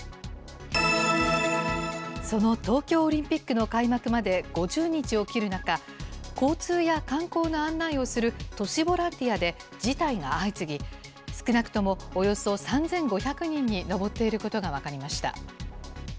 その東京オリンピックの開幕まで５０日を切る中、交通や観光の案内をする都市ボランティアで辞退が相次ぎ、少なくともおよそ３５００人に上っていることが分かりました。